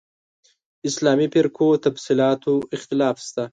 اسلامي فرقو تفصیلاتو اختلاف شته.